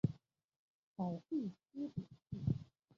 保惠司主事。